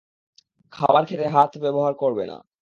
খাবার খেতে হাত ব্যবহার করবে না।